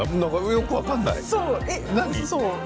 よく分からない、何？